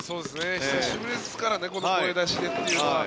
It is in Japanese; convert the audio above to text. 久しぶりですからね声出しでっていうのは。